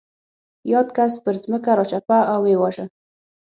یاد کس پر ځمکه راچپه او ویې واژه.